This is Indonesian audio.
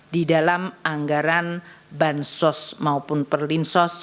di dalam anggaran bansos maupun perlinsos